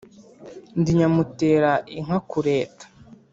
ndi nyamutera inka kureta.